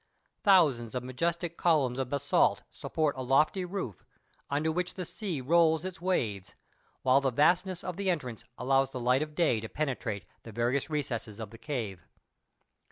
Thousands of majestic columns of basalts support a lofty roof, under which the sea rolls its waves, while the vastness of the entrance allows the light of day to penetrate the various recesses of the cave.